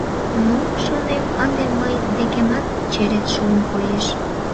«Ну, — шонем, — ынде мый декемат черет шуын, коеш!